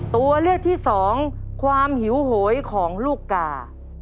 ตัวเลือกที่สองความหิวโหยของลูกกา